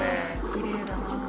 「きれいだな」